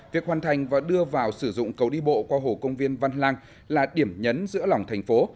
việc hoàn thành và đưa vào sử dụng cầu đi bộ qua hồ công viên văn lang là điểm nhấn giữa lòng thành phố